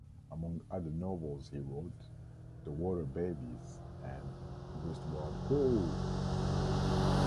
Among other novels he wrote "The Water Babies" and "Westward Ho!".